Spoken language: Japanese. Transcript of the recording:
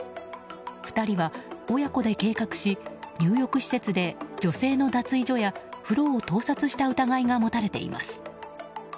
２人は親子で計画し、入浴施設で女性の脱衣所や風呂を盗撮した疑いが持たれています。